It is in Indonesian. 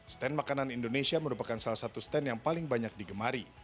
stand makanan indonesia merupakan salah satu stand yang paling banyak digemari